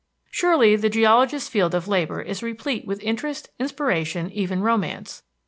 Surely the geologist's field of labor is replete with interest, inspiration, even romance.